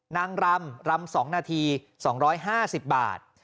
นางรำรำ๒นาที๒๕๐บาท